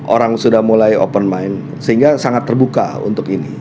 orang sudah mulai open mind sehingga sangat terbuka untuk ini